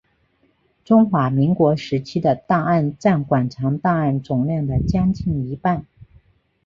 中华民国时期的档案占馆藏档案总量的将近一半。